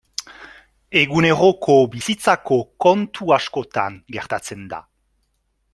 Eguneroko bizitzako kontu askotan gertatzen da.